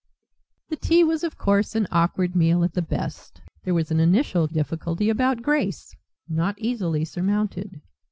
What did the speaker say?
The tea was, of course, an awkward meal at the best. There was an initial difficulty about grace, not easily surmounted.